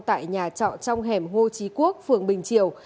tại nhà trọ trong hẻm hồ chí quốc phường bình triều